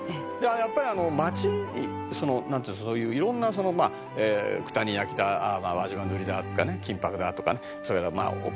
やっぱり街なんていうのそういう色んな九谷焼だ輪島塗だとかね金箔だとかねそういうの。